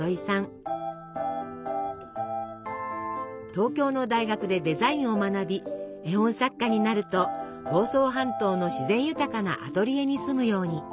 東京の大学でデザインを学び絵本作家になると房総半島の自然豊かなアトリエに住むように。